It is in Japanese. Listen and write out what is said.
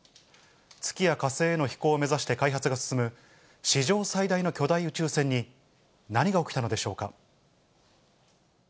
月や火星への飛行を目指して開発が進む史上最大の巨大宇宙船に何が起きたのでしょうか。